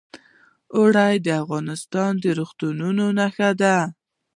اوړي د افغانستان د زرغونتیا نښه ده.